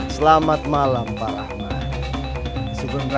selamat malam pak